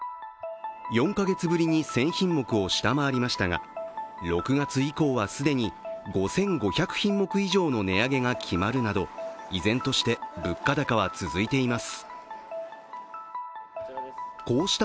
４か月ぶりに１０００品目を下回りましたが、６月以降は既に５５００品目以上の値上げが決まるなど依然として物価高は続いています。